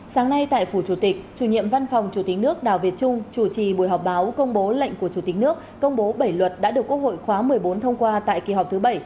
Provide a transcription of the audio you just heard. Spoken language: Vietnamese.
sáng nay tại phủ chủ tịch chủ nhiệm văn phòng chủ tịch nước đào việt trung chủ trì buổi họp báo công bố lệnh của chủ tịch nước công bố bảy luật đã được quốc hội khóa một mươi bốn thông qua tại kỳ họp thứ bảy